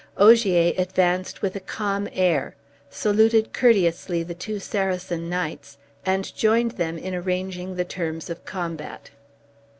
Ogier advanced with a calm air, saluted courteously the two Saracen knights, and joined them in arranging the terms of combat.